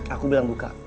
aku bilang buka